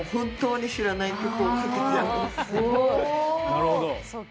なるほど。